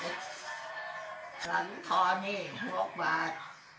หลังทอหนี้๖บาท